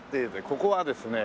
ここはですね